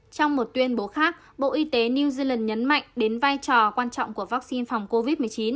trong một tuyên bố khác bộ y tế new zealand nhấn mạnh đến vai trò quan trọng của vaccine phòng covid một mươi chín